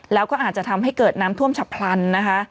แล้วก็อาจจะทำให้เกิดน้ำท่วมฉับพลันนะคะ